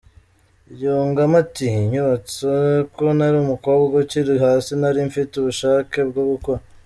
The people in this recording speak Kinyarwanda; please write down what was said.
Yungamo ati “Inyubatsa ko nari umukobwa ukiri hasi nari mfite ubushake bwo gukora.